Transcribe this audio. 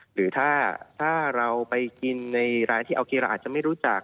หรือถ้าเราไปกินในรายที่โอเคเราอาจจะไม่รู้จัก